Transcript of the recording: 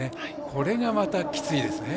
これが、またきついですね。